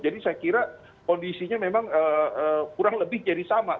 jadi saya kira kondisinya memang kurang lebih jadi sama